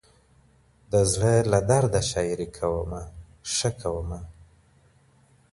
د زړه له درده شاعري کومه ښه کوومه